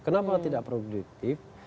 kenapa tidak produktif